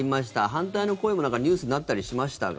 反対の声もニュースになったりしましたが。